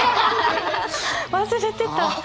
忘れてた。